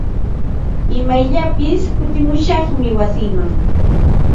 Imayllapis kutimushaqmi wasiiman.